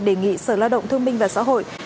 đề nghị sở lao động thương minh và xã hội